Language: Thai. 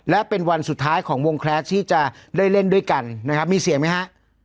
และเป็นวันสุดท้ายของวงแคลสที่จะได้เล่นด้วยกันนะครับมีเสียงไหมฮะ